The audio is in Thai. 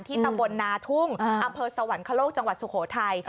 ตำบลนาทุ่งอำเภอสวรรคโลกจังหวัดสุโขทัย